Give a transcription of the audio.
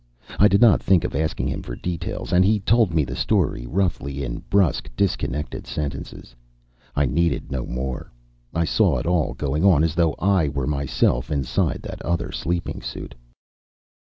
I did not think of asking him for details, and he told me the story roughly in brusque, disconnected sentences. I needed no more. I saw it all going on as though I were myself inside that other sleeping suit.